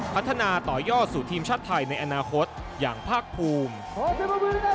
พัฒนาต่อยอดสู่ทีมชาติไทยในอนาคตอย่างภาคภูมิ